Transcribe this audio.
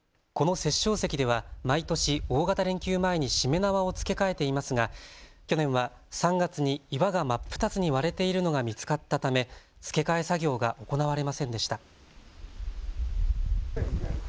この殺生石では毎年、大型連休前にしめ縄を付け替えていますが去年は３月に岩が真っ二つに割れているのが見つかったため付け替え作業が行われませんでした。